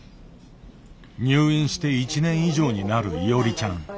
入院して１年以上になるいおりちゃん。